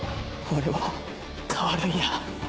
俺は変わるんや。